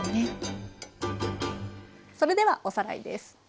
それではおさらいです。